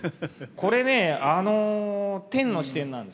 これねあの天の視点なんですよ。